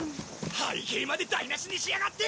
背景まで台無しにしやがって！